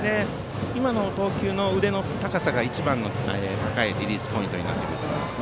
今の投球の腕の高さが一番の高いリリースポイントになっているかと思います。